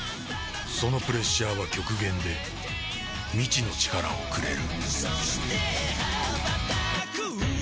そのプレッシャーは極限で未知の力をくれる。